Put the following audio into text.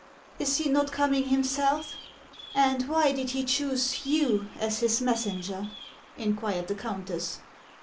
" Is he not coming himself ? And why did he choose you as his messenger?" inquired the countess.